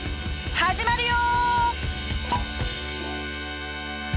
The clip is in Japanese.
始まるよ！